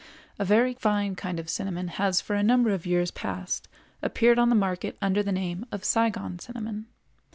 A very fine kind of Cinnamon has for a number of years past appeared on the market under the name of Saigon cinnamon.